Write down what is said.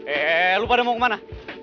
eh lo pada mau kemana